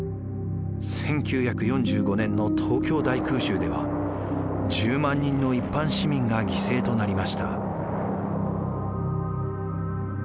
１９４５年の東京大空襲では１０万人の一般市民が犠牲となりました。